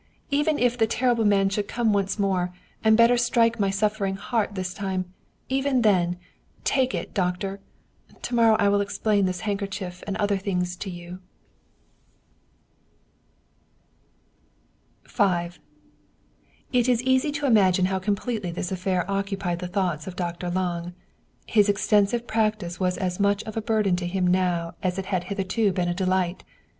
Even if the terrible man should come once more, and better strike my suffering heart this time even then! Take it, doctor. To morrow I will explain this handkerchief and other things to you." IT is easy to imagine how completely this affair occupied the thoughts of Dr. Lange. His extensive practice was as much of a burden to him now as it had hitherto been a delight.